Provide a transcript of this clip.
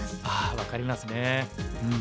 ああ分かりますね。